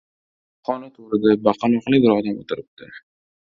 Xona to‘rida baqaloqli bir odam o‘tiribdi.